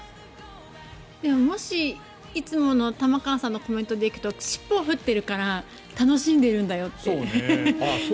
もしいつもの玉川さんのコメントで行くと尻尾を振っているから楽しんでいるんだよって。